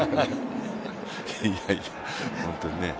いやいや、本当にね。